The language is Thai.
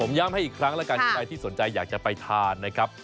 ย้ำให้อีกครั้งแล้วกันใครที่สนใจอยากจะไปทานนะครับ